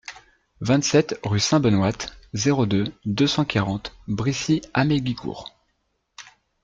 vingt-sept rue Sainte-Benoite, zéro deux, deux cent quarante Brissy-Hamégicourt